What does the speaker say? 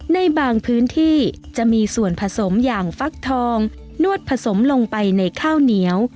ในบางพื้นที่จะมีส่วนผสมอย่างฟักทองนวดผสมลงไปในข้าวเหนียว